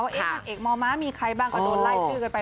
นางเอกมม้ามีใครบ้างก็โดนไล่ชื่อกันไป